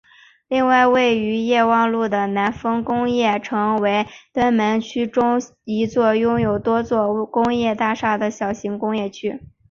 另外位于业旺路的南丰工业城为屯门区中唯一拥有多座工业大厦的小型工业区。